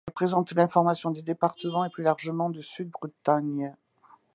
Elle présente l'information du département et plus largement du Sud Bretagne.